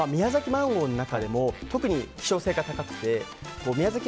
マンゴーの中でも特に希少性が高くて宮崎